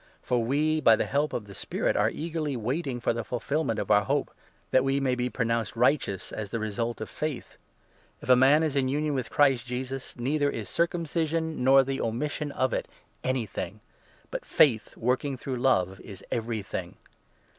For 5 we, by the help of the Spirit, are eagerly waiting for the ful filment of our hope — that we may be pronounced righteous as the result of faith. If a man is in union with Christ Jesus, 6 neither is circumcision nor the omission of it anything, but faith, working through love, is everything.